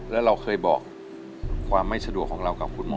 แล้วเราเคยบอกความไม่สะดวกของเรากับคุณหมอ